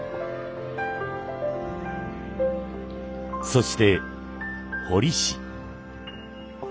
そして彫師。